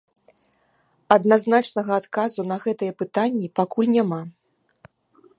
Адназначнага адказу на гэтыя пытанні пакуль няма.